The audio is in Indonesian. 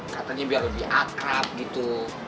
katanya biar lebih akrab gitu